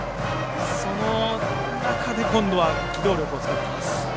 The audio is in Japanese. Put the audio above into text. その中で、今度は機動力を使ってきます。